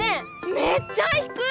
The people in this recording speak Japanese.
めっちゃひくい！